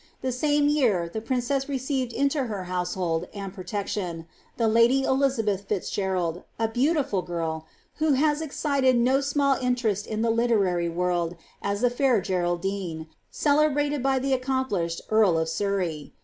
The same rear the princess received into her household and protection the lady kiiabeth Filz Gerald, a beautiful girl, who has excited no small iniv r«9t in the literary world as the fair Geralcline, celebrated by the arcom plished earl of Surrey.